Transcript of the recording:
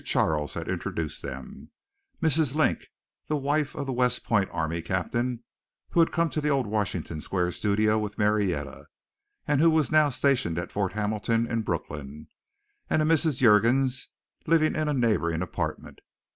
Charles had introduced them; Mrs. Link, the wife of the West Point army captain who had come to the old Washington Square studio with Marietta and who was now stationed at Fort Hamilton in Brooklyn; and a Mrs. Juergens, living in a neighboring apartment.